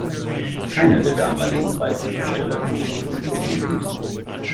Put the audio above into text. Keiner der damaligen Reifenhersteller konnte dieses Problem lösen.